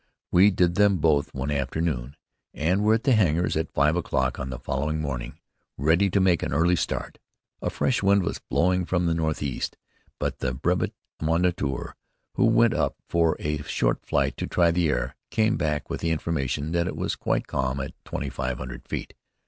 We did them both one afternoon, and were at the hangars at five o'clock on the following morning, ready to make an early start. A fresh wind was blowing from the northeast, but the brevet moniteur, who went up for a short flight to try the air, came back with the information that it was quite calm at twenty five hundred feet.